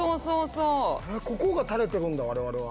ここが垂れてるんだ我々は。